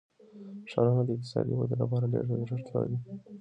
ښارونه د اقتصادي ودې لپاره ډېر ارزښت لري.